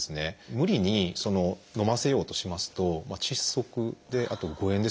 無理に飲ませようとしますと窒息あと誤嚥ですね